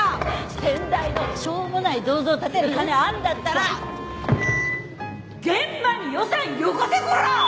先代のしょうもない銅像建てる金あんだったら現場に予算よこせこら！